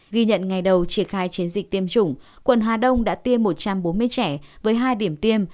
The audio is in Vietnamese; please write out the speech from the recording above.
ghi nhận ngày đầu triển khai chiến dịch tiêm chủng quận hà đông đã tiêm một trăm bốn mươi trẻ với hai điểm tiêm